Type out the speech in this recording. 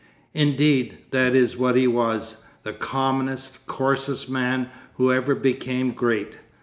Indeed, that is what he was, the commonest, coarsest man, who ever became great.